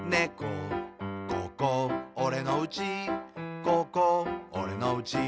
「ここ、おれのうちここ、おれのうち」